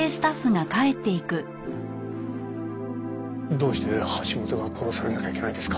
どうして橋本が殺されなきゃいけないんですか？